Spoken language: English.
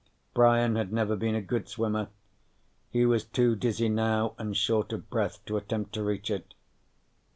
Brian had never been a good swimmer; he was too dizzy now and short of breath to attempt to reach it.